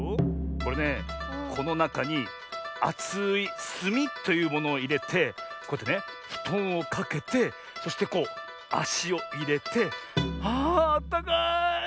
これねこのなかにあつい「すみ」というものをいれてこうやってねふとんをかけてそしてこうあしをいれてああったかい。